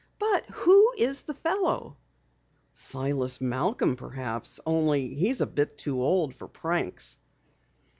But who is the fellow?" "Silas Malcom perhaps. Only he's a bit too old for pranks."